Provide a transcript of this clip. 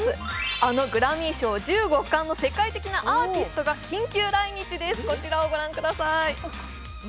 あのグラミー賞１５冠の世界的なアーティストが緊急来日です、こちらをご覧ください。